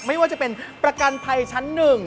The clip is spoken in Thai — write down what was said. ไม่ว่าจะเป็นประกันภัยชั้น๑